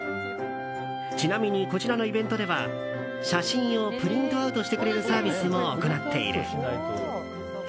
ちなみに、こちらのイベントでは写真をプリントアウトしてくれるサービスも行っている。